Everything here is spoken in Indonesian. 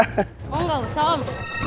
oh gak usah om